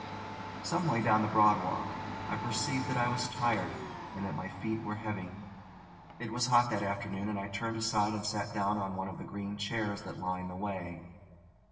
Some way down the Broad Walk I perceived that I was tired, and that my feet were heavy. It was hot that afternoon, and I turned aside and sat down on one of the green chairs that line the way.